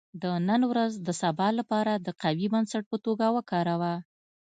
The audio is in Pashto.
• د نن ورځ د سبا لپاره د قوي بنسټ په توګه وکاروه.